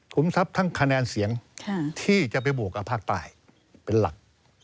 ทรัพย์ทั้งคะแนนเสียงที่จะไปบวกกับภาคใต้เป็นหลัก